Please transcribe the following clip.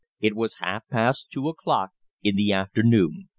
It was half past two o'clock in the afternoon.